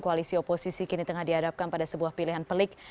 koalisi oposisi kini tengah dihadapkan pada sebuah pilihan pelik